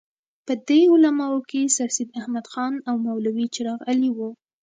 په دې علماوو کې سرسید احمد خان او مولوي چراغ علي وو.